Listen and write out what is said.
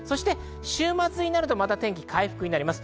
週末になるとまた天気が回復します。